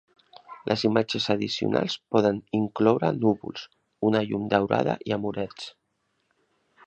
Les imatges addicionals poden incloure núvols, una llum daurada i amorets.